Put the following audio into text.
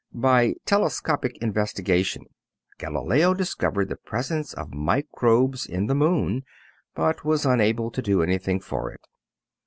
By telescopic investigation Galileo discovered the presence of microbes in the moon, but was unable to do anything for it.